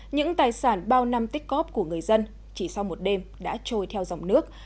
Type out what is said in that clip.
những tài sản bao năm tích cóp của người dân chỉ sau một đêm đã trôi theo dòng nước